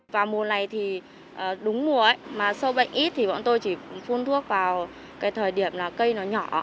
vào mùa này thì đúng mùa mà sâu bệnh ít thì bọn tôi chỉ phun thuốc vào cái thời điểm là cây nó nhỏ